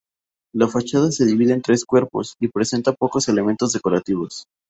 La fachada se divide en tres cuerpos y presenta pocos elementos decorativos.